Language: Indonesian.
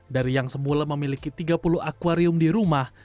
dari yang semula memiliki tiga puluh akwarium di rumah